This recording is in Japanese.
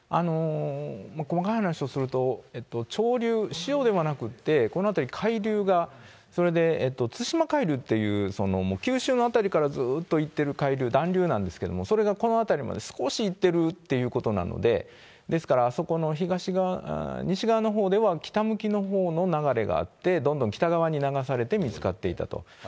細かい話をすると、潮流、潮ではなくって、この辺り、海流が、それで、対馬海流っていう、きゅうしゅんの辺りから、ずーっと行ってる海流、暖流なんですけども、それがこの辺りまで少し行ってるってことなので、ですからあそこの西側のほうでは、北向きのほうの流れがあって、どんどん北側に流されて見つかっていたと。